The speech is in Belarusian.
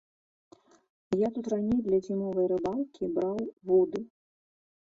Я тут раней для зімовай рыбалкі браў вуды.